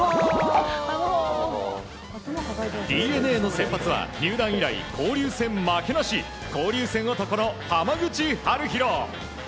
ＤｅＮＡの先発は三浦以来交流戦負けなし交流戦男の濱口遥大！